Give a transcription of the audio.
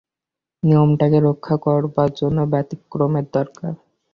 নিয়মটাকে রক্ষা করবার জন্যেই ব্যতিক্রমের দরকার।